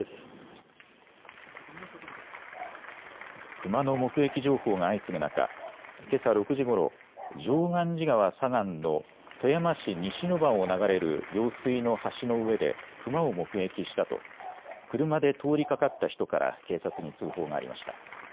クマの目撃情報が相次ぐ中、けさ６時ごろ、常願寺川左岸の富山市西番を流れる用水の橋の上でクマを目撃したと車で通りかかった人から警察に通報がありました。